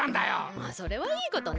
まあそれはいいことね。